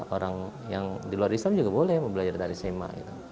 orang yang di luar islam juga boleh belajar dari sema